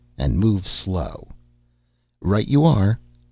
"And move slow." "Right you are."